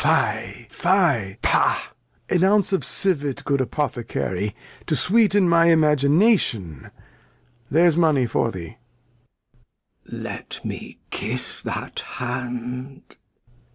Fie ! Pah ! ^An Ounce of Civet, good Apothecary, to sweeten my Imagination. ^There's Money for thee. Glost. Let me kiss that Hand.